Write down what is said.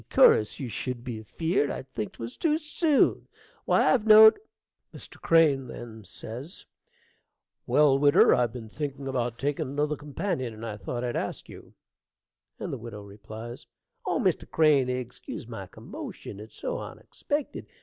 cur'us you should be afeard I'd think 'twas too soon. Why, I've knowed Mr. Crane Well, widder, I've been thinking about taking another companion, and I thought I'd ask you Widow Oh, Mr. Crane, egscuse my commotion; it's so onexpected.